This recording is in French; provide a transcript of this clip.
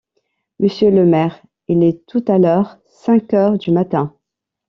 Monsieur le maire, il est tout à l’heure cinq heures du matin.